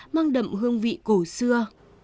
mang đậm hương vị cổ xưa